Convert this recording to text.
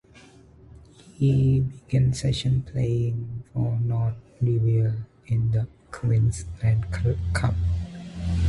He began the season playing for the Norths Devils in the Queensland Cup.